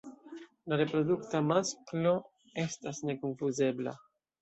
La reprodukta masklo estas nekonfuzebla.